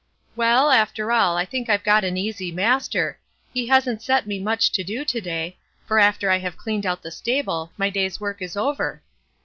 "Well, after all, I think I've got an easy master; he hasn't set me much to do to day, for after I have cleaned out the stable, my day's work is over."